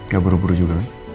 gak buru buru juga